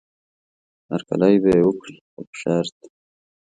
هرکلی به یې وکړي خو په شرط.